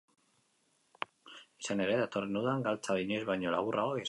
Izan ere, datorren udan galtzak inoiz baino laburragoak izango dira.